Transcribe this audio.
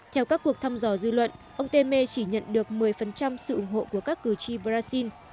theo các cuộc thăm dò dư luận ông teme chỉ nhận được một mươi sự ủng hộ của các cử tri brazil